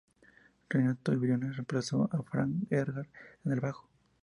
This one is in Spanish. Renato Briones reemplazó a Frank Edgar en el bajo.